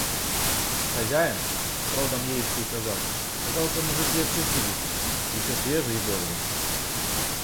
Хозяин, родом яицкий казак, казался мужик лет шестидесяти, еще свежий и бодрый.